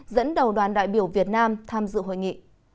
dẫn đầu đoàn đại biểu việt nam tham dự hội nghị